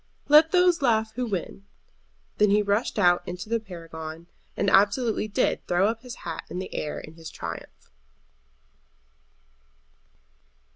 "Let those laugh who win." Then he rushed out into the Paragon, and absolutely did throw his hat up in the air in his triumph.